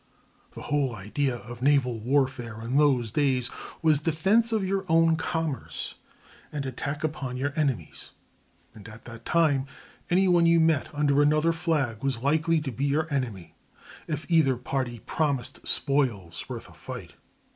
The whole idea of naval warfare in those days was defense of your own commerce and attack upon your enemy's; and at that time any one you met under another flag was likely to be your "enemy" if either party promised spoils worth a fight.